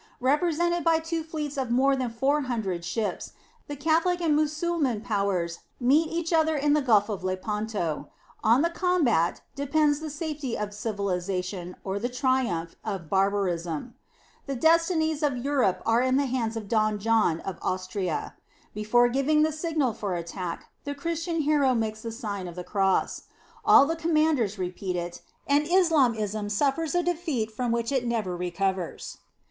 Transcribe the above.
Represented by two fleets of more than four hundred ships, the Catholic and Mussulman powers meet each other in the Gulf of Lepanto. On the combat de pends the safety of civilization or the triumph *Ad Eustoch. De epitaph Paulas. f^ic. c. xv. In the Nineteenth Century. 47 of barbarism. The destinies of En rone are HI die lianas oi Don John oi Ausu*a. Lci^re giving the signal for attack, the Christian hero makes the Sign of the Cross. All the commanders repeat it, and Islamism suffers a defeat from which it never recovers.